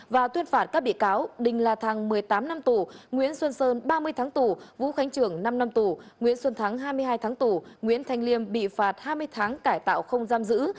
và tuyên phạt các bị cáo đinh la thăng một mươi tám năm tù nguyễn xuân sơn ba mươi tháng tù vũ khánh trường năm năm tù nguyễn xuân thắng hai mươi hai tháng tù nguyễn thanh liêm bị phạt hai mươi tháng cải tạo không giam giữ